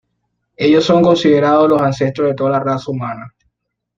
Ellos son considerados los ancestros de toda la raza humana.